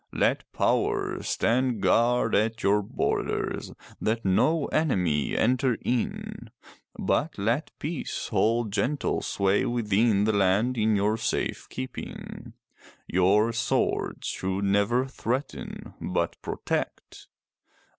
Let Power stand guard at your borders, that no enemy enter in, but let Peace hold gentle sway within the land in your safe keeping. Your swords should never threaten, but protect.